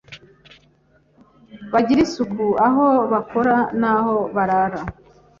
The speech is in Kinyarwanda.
Bagire isuku aho bakora n’aho barara